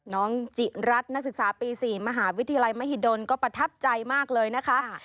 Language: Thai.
น้องจิรัตน์นักศึกษาปี๔มหาวิทยาลัยมหิดลก็ประทับใจมากเลยนะคะ